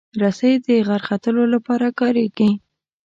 رسۍ د غر ختلو لپاره کارېږي.